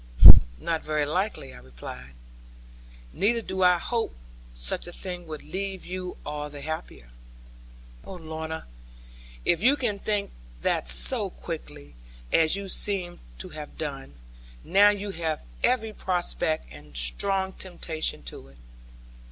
'Not very likely,' I replied; 'neither do I hope such a thing would leave you all the happier. Oh, Lorna, if you can think that so quickly as you seem to have done, now you have every prospect and strong temptation to it.